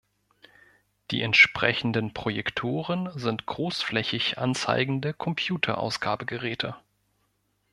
Die entsprechenden Projektoren sind großflächig anzeigende Computer-Ausgabegeräte.